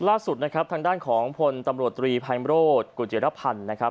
ล่าสุดนะครับทางด้านของพลตำรวจตรีภัยโรธกุจิรพันธ์นะครับ